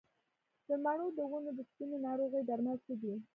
د مڼو د ونو د سپینې ناروغۍ درمل څه دي؟